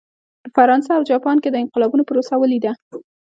په فرانسه او جاپان کې د انقلابونو پروسه ولیده.